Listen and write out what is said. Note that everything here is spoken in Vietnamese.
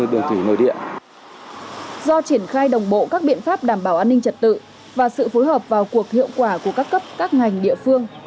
do triển khai đồng bộ các biện pháp đảm bảo an ninh trật tự và sự phối hợp vào cuộc hiệu quả của các cấp các ngành địa phương